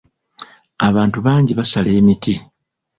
Abantu bangi basala emiti.